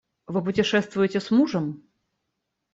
Вы путешествуете с мужем?